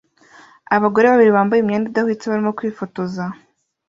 Abagore babiri bambaye imyenda idahwitse barimo kwifotoza